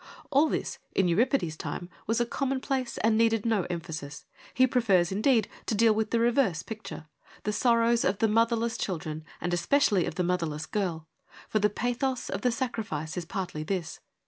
All this in Euripides' time was a commonplace and needed no emphasis. He prefers, indeed, to deal with the reverse picture — the sorrows of the motherless children and especially of the motherless girl ; for the pathos of the sacrifice is partly this.